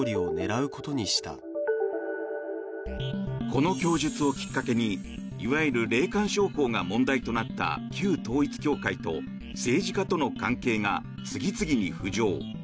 この供述をきっかけにいわゆる霊感商法が問題となった旧統一教会と政治家との関係が次々に浮上。